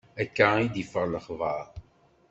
Akka i d-iffeɣ lexbar.